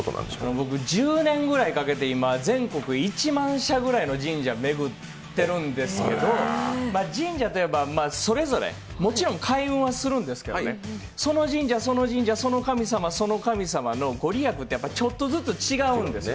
僕１０年ぐらいかけて、今全国１万社ぐらいの神社を巡ってるんですけど神社といえばそれぞれもちろん開運はするんですけどその神社、その神社、その神様、その神様の御利益ってちょっとずつ違うんです。